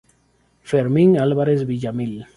Fermin Alvarez Villamil.